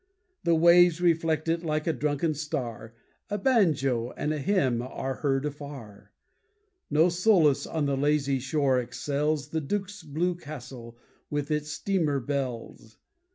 The waves reflect it like a drunken star. A banjo and a hymn are heard afar. No solace on the lazy shore excels The Duke's blue castle with its steamer bells.